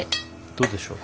どうでしょう。